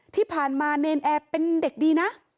ที่ผ่านมาเนรนแอร์เป็นเด็กดีนะ